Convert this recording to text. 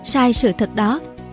sai sự thật đó